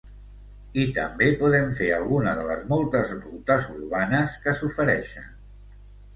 I també podem fer alguna de les moltes rutes urbanes que s’ofereixen.